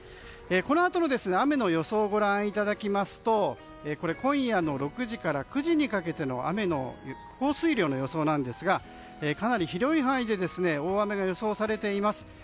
このあとの雨の予想をご覧いただきますと今夜の６時から９時にかけての雨の降水量の予想ですがかなり広い範囲で大雨が予想されています。